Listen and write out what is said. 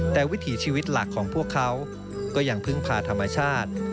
แต่วิถีชีวิตหลักของพวกเขาก็ยังพึ่งพาธรรมชาติ